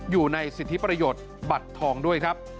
อยู่ในสิทธิประโยชน์บัตรทองด้วยครับ